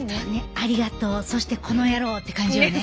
ありがとうそしてこの野郎って感じよね。